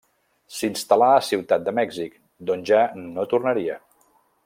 S'instal·là a Ciutat de Mèxic, d'on ja no tornaria.